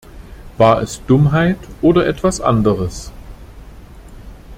War es Dummheit oder etwas anderes?